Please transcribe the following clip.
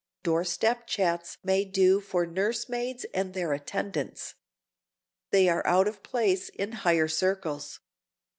Door step chats may do for nurse maids and their attendants. They are out of place in higher circles.